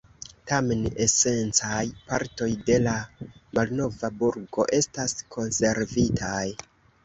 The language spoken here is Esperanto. Tamen esencaj partoj de la malnova burgo estas konservitaj.